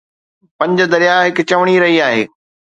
پنج درياهه هڪ چوڻي رهي آهي.